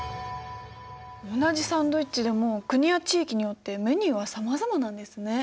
同じサンドイッチでも国や地域によってメニューはさまざまなんですね。